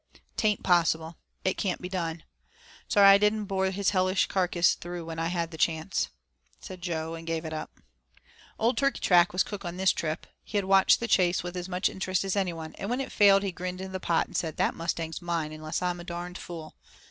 "Tain't possible; it can't be done. Sorry I didn't bore his hellish carcass through when I had the chance," said Jo, and gave it up. VI Old Turkeytrack was cook on this trip. He had watched the chase with as much interest as anyone, and when it failed he grinned into the pot and said: "That mustang's mine unless I'm a darned fool."